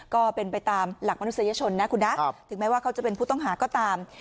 ก็เป็นไปตามหลักมนุษยชนนะคุณนะถึงแม้ว่าเขาจะเป็นผู้ต้องหาก็ตาม